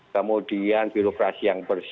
kemudian birokrasi yang bersih